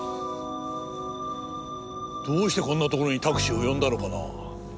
どうしてこんなところにタクシーを呼んだのかな？